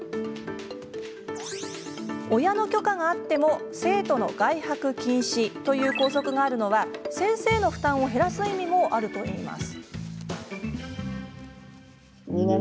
親の許可があっても生徒の外泊禁止という校則があるのは先生の負担を減らす意味もあるといいます。